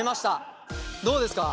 どうですか？